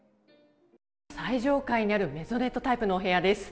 最上階にあるメゾネットタイプのお部屋です。